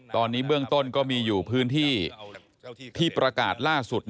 ตอนนี้เบื้องต้นก็มีอยู่พื้นที่ที่ประกาศล่าสุด